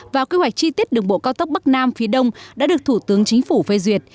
và quy hoạch chi tiết đường bộ cao tốc bắc nam phía đông đã được thủ tướng chính phủ phê duyệt